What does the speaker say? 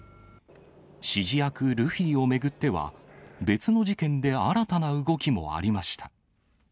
指示役、ルフィを巡っては、別の事件で新たな動きもありました。